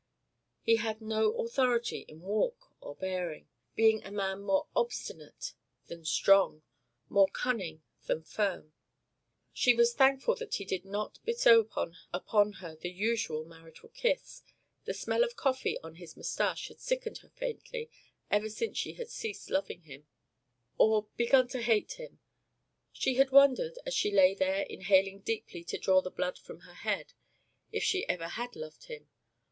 He had no authority in walk or bearing, being a man more obstinate than strong, more cunning than firm. She was thankful that he did not bestow upon her the usual marital kiss; the smell of coffee on his moustache had sickened her faintly ever since she had ceased to love him. Or begun to hate him? She had wondered, as she lay there inhaling deeply to draw the blood from her head, if she ever had loved him.